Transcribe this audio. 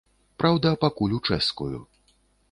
Праўда, пакуль у чэшскую.